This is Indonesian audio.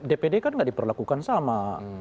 dpd kan tidak diperlakukan sama